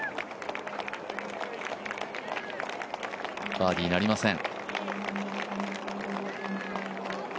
バーディーなりません。